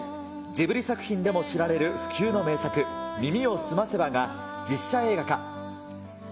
ジブリ作品でも知られる不朽の名作、耳をすませばが実写映画化。